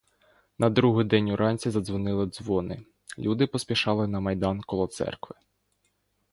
На другий день уранці задзвонили дзвони, люди поспішали на майдан коло церкви.